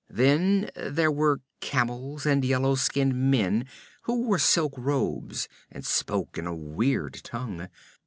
Then there were camels, and yellow skinned men who wore silk robes and spoke in a weird tongue.